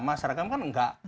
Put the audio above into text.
masyarakat kan enggak